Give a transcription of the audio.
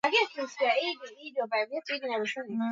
Irani kaskazini magharibi na Bulgaria na Ugiriki